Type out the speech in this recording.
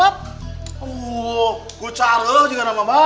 ibu gue cara juga nama mba